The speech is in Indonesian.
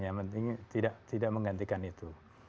yang penting tidak menggantikan itu